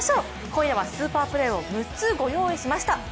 今夜はスーパープレーを６つ、御用意しました。